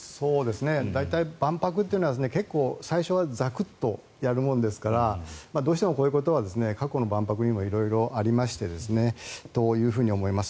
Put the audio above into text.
大体万博というのは最初はザクッとやるもんですからどうしてもこういうことは過去の万博にも色々ありましたと思います。